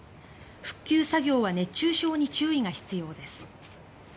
復旧作業は熱中症に注意が必要です。